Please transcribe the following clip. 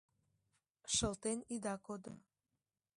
Шылтен ида кодо -